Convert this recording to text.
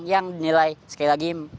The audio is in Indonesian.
yang dinilai sekali lagi